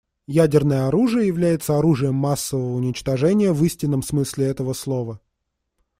Ядерное оружие является оружием массового уничтожения в истинном смысле этого слова.